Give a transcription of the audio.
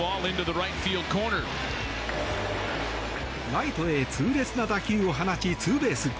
ライトへ痛烈な打球を放ちツーベース。